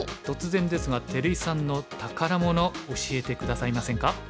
突然ですが照井さんの宝物教えて下さいませんか？